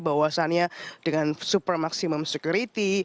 bahwasannya dengan super maksimum security